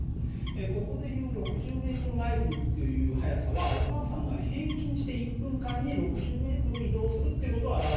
ここでいう６０ｍ／ｍという速さはお母さんが平均して１分間に６０ｍ移動するっていう事を表してるんだね。